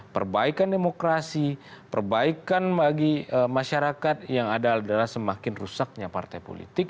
perbaikan demokrasi perbaikan bagi masyarakat yang ada adalah semakin rusaknya partai politik